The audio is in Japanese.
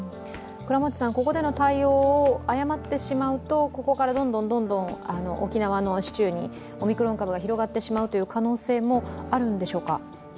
ここでの対応を誤ってしまうと、ここからどんどん沖縄の市中にオミクロン株が広がってしまう可能性もあるんでしょうか？